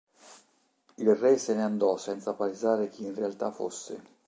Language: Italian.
Il re se ne andò senza palesare chi in realtà fosse.